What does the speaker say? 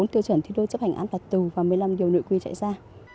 bốn tiêu chuẩn thi đô chấp hành án bạc tù và một mươi năm dầu nội quy chạy ra